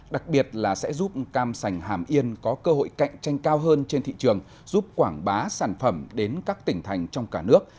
đặc biệt là sẽ giúp cam sành hàm yên có cơ hội cạnh tranh cao hơn trên thị trường giúp quảng bá sản phẩm đến các tỉnh thành trong cả nước